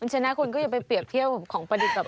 ชนะคุณก็อย่าไปเปรียบเทียบของประดิษฐ์แบบ